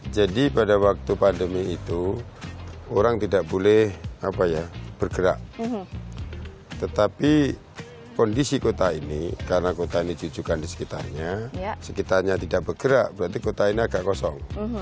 jadi pada waktu pandemi itu orang tidak boleh bergerak tetapi kondisi kota ini karena kota ini cucukan di sekitarnya sekitarnya tidak bergerak berarti kota ini agak kosong